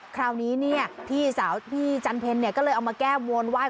คราวนี้พี่สาวพี่จันเพ็ญก็เลยเอามาแก้ววนว่าย